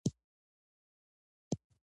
داوود خان چيغه کړه! هلئ!